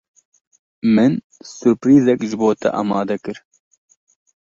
Min surprîzek ji bo te amade kir.